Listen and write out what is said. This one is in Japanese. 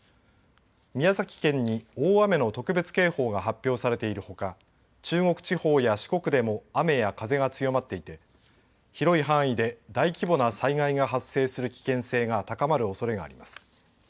宮崎県に大雨の特別警報が発表されているほか中国地方や四国でも雨や風が強まっていて広い範囲で大規模な災害が発生する危険性が高まるおそれがあります。